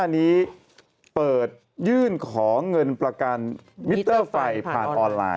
อันนี้เปิดยื่นขอเงินประกันมิเตอร์ไฟผ่านออนไลน